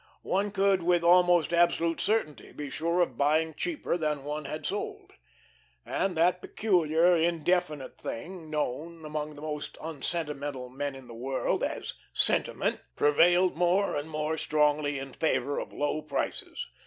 One could with almost absolute certainty be sure of buying cheaper than one had sold. And that peculiar, indefinite thing known among the most unsentimental men in the world as "sentiment," prevailed more and more strongly in favour of low prices.